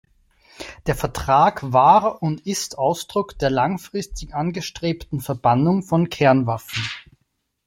Der Vertrag war und ist Ausdruck der langfristig angestrebten Verbannung von Kernwaffen.